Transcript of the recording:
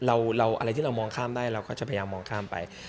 อะไรที่เรามองข้ามได้เราก็จะพยายามมองข้ามไป